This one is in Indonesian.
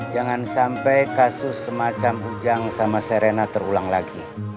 jangan sampai kasus semacam ujang sama serena terulang lagi